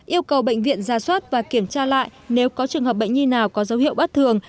yêu cầu bệnh viện ra soát và kiểm tra lại nếu có trường hợp bệnh nhi nào có dấu hiệu bất thường